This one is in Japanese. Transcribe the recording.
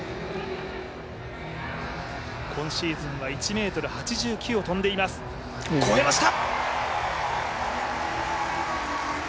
今シーズンは１ｍ８９を跳んでいます、越えました。